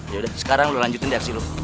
ya udah sekarang lu lanjutin di aksi lu